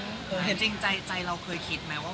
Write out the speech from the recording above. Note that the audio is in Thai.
มีปิดฟงปิดไฟแล้วถือเค้กขึ้นมา